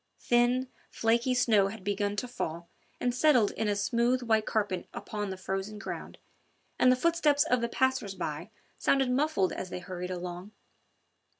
Thin, flaky snow had begun to fall and settled in a smooth white carpet upon the frozen ground, and the footsteps of the passers by sounded muffled as they hurried along.